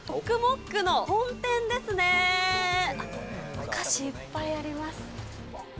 お菓子、いっぱいあります。